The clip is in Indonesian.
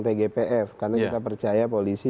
tgpf karena kita percaya polisi